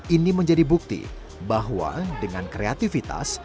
ini menjadi bukti bahwa dengan kreativitas